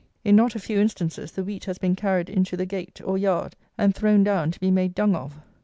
In not a few instances the wheat has been carried into the gate, or yard, and thrown down to be made dung of.